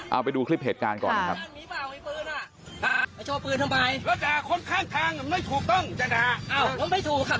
เอาไปดูคลิปเหตุการณ์ก่อนนะครับ